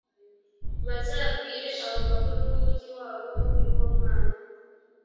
bazabwire abo bakuru b’umugi wabo iby’uwo mwana.